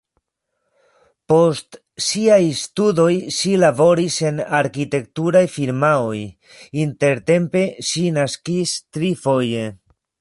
Post siaj studoj ŝi laboris en arkitekturaj firmaoj, intertempe ŝi naskis trifoje.